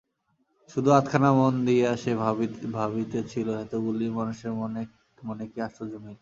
শুধু আধখানা মন দিয়া সে ভাবিড়েছিল, এতগুলি মানুষের মনে মনে কী আশ্চর্য মিল।